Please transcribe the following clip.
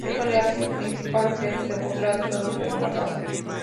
Esto la hace el principal objeto de burla de todos en la casa.